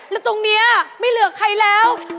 แล้วตรงนี้ไม่เหลือใครแล้ว